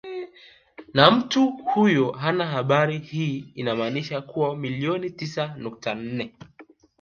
Na mtu huyo hana habari hii inamaanisha watu milioni tisa nukta nne